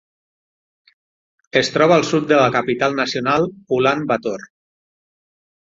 Es troba al sud de la capital nacional Ulan Bator.